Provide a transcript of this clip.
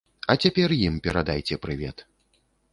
А цяпер ім перадайце прывет.